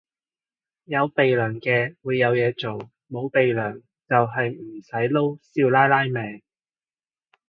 有鼻樑嘅會有嘢做，冇鼻樑就係唔使撈少奶奶命